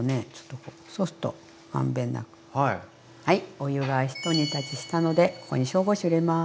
お湯がひと煮立ちしたのでここに紹興酒入れます。